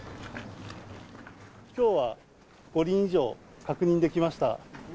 きょうは５輪以上確認できました。